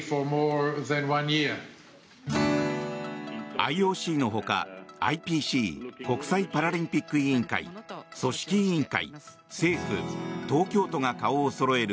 ＩＯＣのほか、ＩＰＣ・国際パラリンピック委員会組織委員会、政府、東京都が顔をそろえる